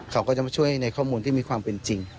เขาก็จะมาช่วยในข้อมูลที่มีความเป็นจริง